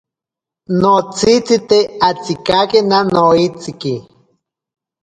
Notsitsite atsikakena noeitsiki.